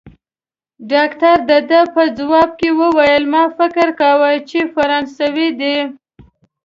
ډاکټر د ده په ځواب کې وویل: ما فکر کاوه، چي فرانسوی دی.